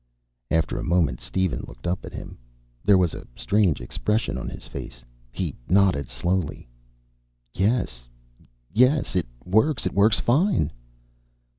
After a moment Steven looked up at him. There was a strange expression on his face. He nodded slowly. "Yes. Yes, it works. It works fine."